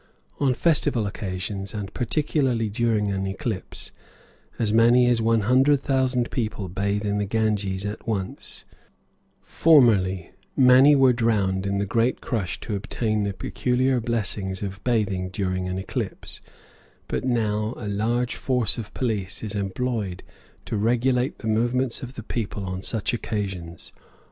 On festival occasions, and particularly during an eclipse, as many as one hundred thousand people bathe in the Ganges at once; formerly many were drowned in the great crush to obtain the peculiar blessings of bathing during an eclipse, but now a large force of police is employed to regulate the movements of the people on such occasions.